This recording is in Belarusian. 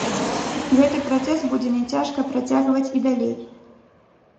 Гэты працэс будзе няцяжка працягваць і далей.